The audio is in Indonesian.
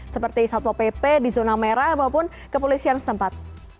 seperti satpo pp di zona merah maupun kepolisian setempat